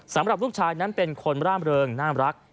สำหรับลูกชายนั้นเป็นคนร่ามเริงน่ารัก